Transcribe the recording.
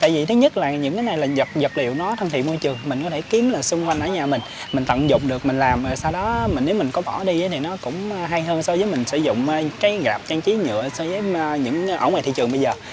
tại vì thứ nhất là những cái này là dập vật liệu nó thân thiện môi trường mình có thể kiếm là xung quanh ở nhà mình mình tận dụng được mình làm sau đó nếu mình có bỏ đi thì nó cũng hay hơn so với mình sử dụng cái gạp trang trí nhựa so với những ở ngoài thị trường bây giờ